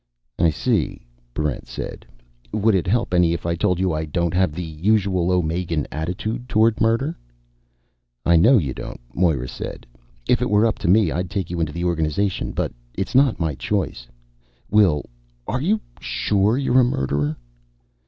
"I see," Barrent said. "Would it help any if I told you I don't have the usual Omegan attitude toward murder?" "I know you don't," Moera said. "If it were up to me, I'd take you into the organization. But it's not my choice.... Will, are you sure you're a murderer?"